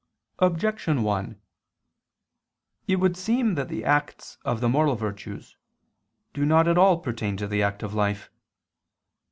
Objection 1: It would seem that the acts of the moral virtues do not all pertain to the active life.